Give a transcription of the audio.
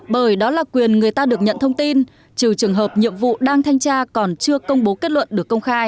bởi đó là quyền người ta được nhận thông tin trừ trường hợp nhiệm vụ đang thanh tra còn chưa công bố kết luận được công khai